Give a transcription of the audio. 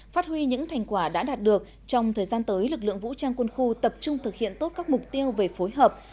phát huy những thành quả đã đạt được trong thời gian tới lực lượng vũ trang quân khu tập trung thực hiện tốt các mục tiêu về phối hợp